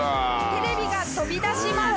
テレビが飛び出します！